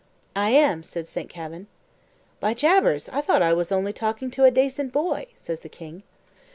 "I am," says Saint Kavin. "By Jabers, I thought I was only talking to a dacent boy," says the king.